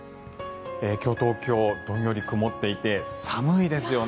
今日、東京、どんより曇っていて寒いですよね。